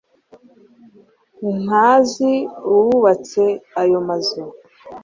Ntazi uwubatse ayo mazu